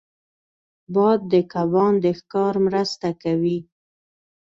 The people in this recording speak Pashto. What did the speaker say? باد د کبان د ښکار مرسته کوي